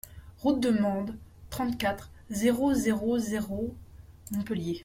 Route de Mende, trente-quatre, zéro zéro zéro Montpellier